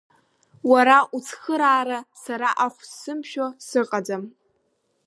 Уара уцхыраара сара ахә сзымшәо сыҟаӡам.